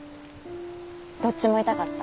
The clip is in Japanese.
どっちも痛かった。